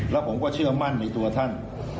แล้วผมก็เชื่อมั่นในตัวท่าน